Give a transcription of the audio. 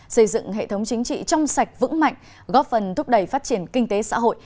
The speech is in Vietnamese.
xây dựng hệ thống chính trị trong sạch vững mạnh góp phần thúc đẩy phát triển kinh tế xã hội